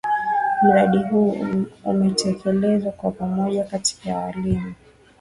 Mradi huu umetekelezwa kwa pamoja kati ya walimu.